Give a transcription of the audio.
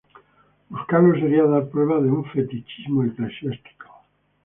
Buscarlos sería dar prueba de un "fetichismo eclesiástico".